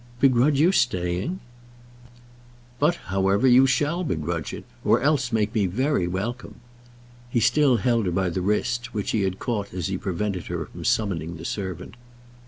"Begrudge your staying!" "But, however, you shall begrudge it, or else make me very welcome." He still held her by the wrist, which he had caught as he prevented her from summoning the servant.